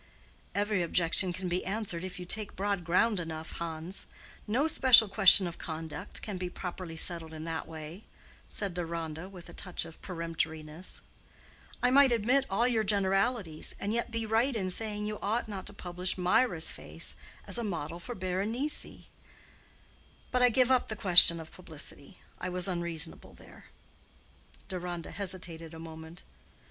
"Every objection can be answered if you take broad ground enough, Hans: no special question of conduct can be properly settled in that way," said Deronda, with a touch of peremptoriness. "I might admit all your generalities, and yet be right in saying you ought not to publish Mirah's face as a model for Berenice. But I give up the question of publicity. I was unreasonable there." Deronda hesitated a moment.